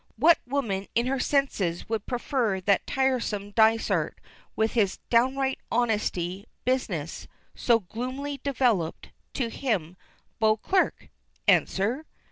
What woman in her senses would prefer that tiresome Dysart with his "downright honesty" business so gloomily developed, to him, Beauclerk? Answer?